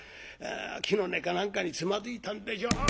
木の根か何かにつまずいたんでしょう。